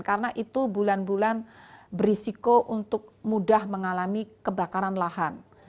karena itu bulan bulan berisiko untuk mudah mengalami kebakaran lahan